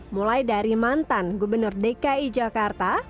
mulai dari mantan gubernur dki jakarta